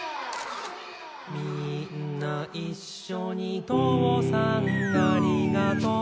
「みーんないっしょにとうさんありがとう」